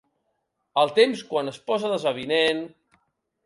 El temps quan es posa desavinent.